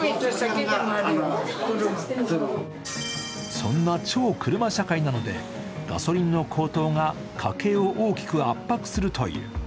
そんな超車社会なので、ガソリンの高騰が家計を大きく圧迫するという。